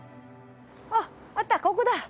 あっあったここだ。